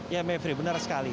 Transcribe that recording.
ya maifri benar sekali